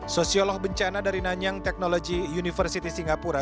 sosiolog bencana dari nanyang technology university singapura